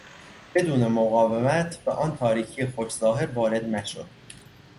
بدون مقاومت به آن تاریکی خوش ظاهر وارد مشو...